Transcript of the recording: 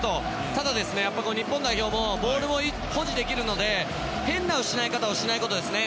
ただ、日本代表もボールを保持できるので変な失い方をしないことですね。